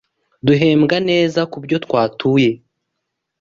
Duhembwa neza kubyo twatuye